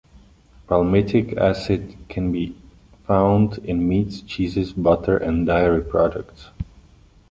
Palmitic acid can also be found in meats, cheeses, butter, and dairy products.